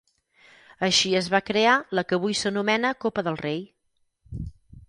Així es va crear la que avui s'anomena Copa del Rei.